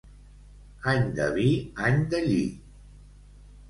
Any de vi, any de lli.